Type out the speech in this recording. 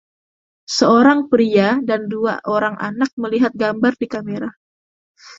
Seorang pria dan dua orang anak melihat gambar di kamera